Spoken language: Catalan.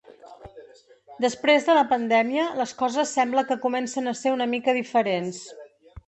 Després de la pandèmia, les coses sembla que comencen a ser una mica diferents.